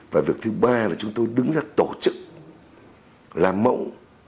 và việc thứ ba là chúng tôi đứng ra tổ chức làm mộng